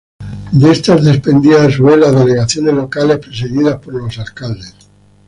De estas dependían a su vez las delegaciones locales presididas por los alcaldes.